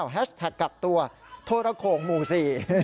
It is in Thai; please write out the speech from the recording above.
แฮชแท็กกับตัวโทรโข่งหมู่สี่